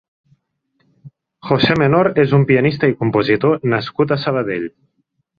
José Menor és un pianista i compositor nascut a Sabadell.